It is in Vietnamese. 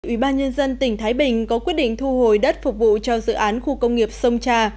ủy ban nhân dân tỉnh thái bình có quyết định thu hồi đất phục vụ cho dự án khu công nghiệp sông trà